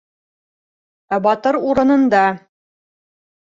Ә Батыр урынында...